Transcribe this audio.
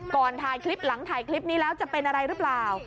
ถ่ายคลิปหลังถ่ายคลิปนี้แล้วจะเป็นอะไรหรือเปล่า